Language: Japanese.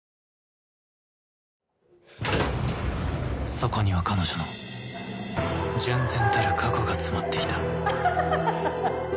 そこには彼女の純然たる過去が詰まっていたあははっ。